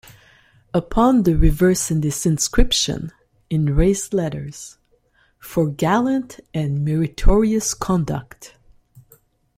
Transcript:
Upon the reverse in this inscription, in raised letters: For gallant and meritorious conduct.